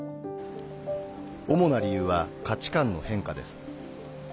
主な理由は価値観の変化です。